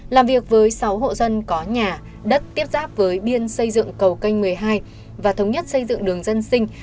làm việc với sáu hộ dân có nhà đất tiếp giáp với biên xây dựng cầu canh một mươi hai và thống nhất xây dựng đường dân sinh